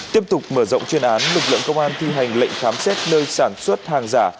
tiếp tục mở rộng chuyên án lực lượng công an thi hành lệnh khám xét nơi sản xuất hàng giả